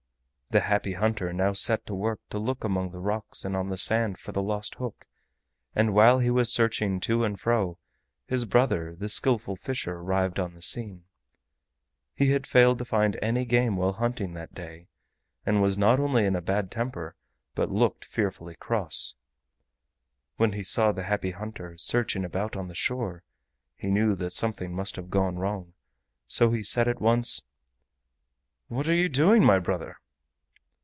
The Happy Hunter now set to work to look among the rocks and on the sand for the lost hook, and while he was searching to and fro, his brother, the Skillful Fisher, arrived on the scene. He had failed to find any game while hunting that day, and was not only in a bad temper, but looked fearfully cross. When he saw the Happy Hunter searching about on the shore he knew that something must have gone wrong, so he said at once: "What are you doing, my brother?"